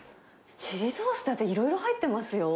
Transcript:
チリソースなんて、いろいろ入ってますよ。